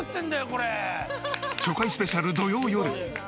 初回スペシャル土曜よる！